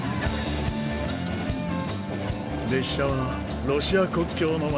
列車はロシア国境の街